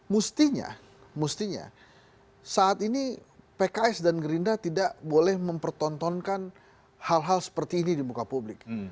mestinya mustinya saat ini pks dan gerindra tidak boleh mempertontonkan hal hal seperti ini di muka publik